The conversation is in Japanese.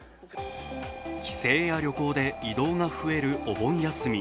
帰省や旅行で移動が増えるお盆休み。